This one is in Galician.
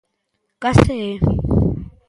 Case é.